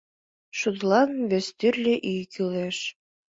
Шудылан вестӱрлӧ ӱй кӱлеш.